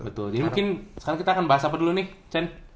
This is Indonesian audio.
betul jadi mungkin sekarang kita akan bahas apa dulu nih cen